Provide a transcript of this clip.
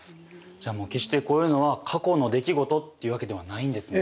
じゃあもう決してこういうのは過去の出来事っていうわけではないんですね。